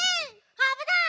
あぶない！